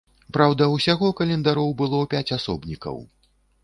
Праўда, усяго календароў было пяць асобнікаў.